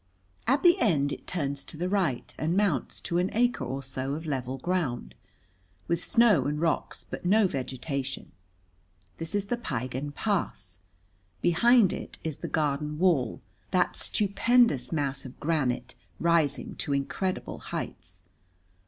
At the end it turns to the right and mounts to an acre or so of level ground, with snow and rocks but no vegetation. This is the Piegan Pass. Behind it is the Garden Wall, that stupendous mass of granite rising to incredible heights.